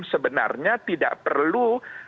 sebenarnya tidak perlu